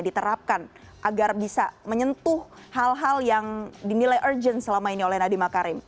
diterapkan agar bisa menyentuh hal hal yang dinilai urgent selama ini oleh nadiem makarim